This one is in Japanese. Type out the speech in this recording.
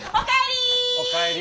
お帰り！